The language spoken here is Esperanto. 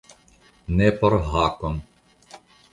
Ne por Hakon.